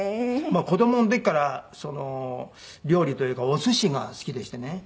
子供の時から料理というかおすしが好きでしてね。